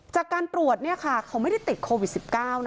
จากการปรวจจากติดโควิด๑๙